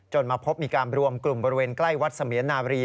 มาพบมีการรวมกลุ่มบริเวณใกล้วัดเสมียนาบรี